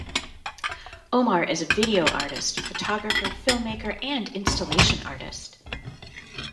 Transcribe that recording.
Omar is a video artist, photographer, filmmaker, and installation artist.